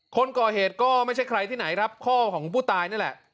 คนก่อเหตุก็ไม่ใช่ใครที่ไหนครับพ่อของผู้ตายนั่นแหละ